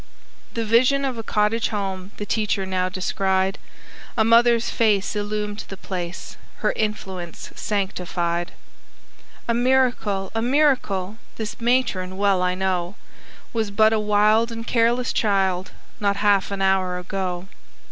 The vision of a cottage home The teacher now descried; A mother's face illumed the place Her influence sanctified. "A miracle! a miracle! This matron, well I know, Was but a wild and careless child, Not half an hour ago.